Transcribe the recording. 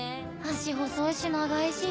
脚細いし長いし。